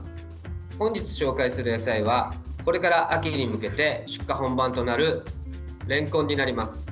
本日、紹介する野菜はこれから秋に向けて出荷本番となるれんこんになります。